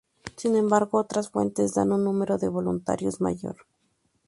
Sin embargo, otras fuentes dan un número de voluntarios mayor.